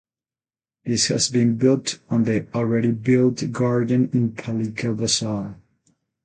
This has been built on the already built garden in Palika Bazaar.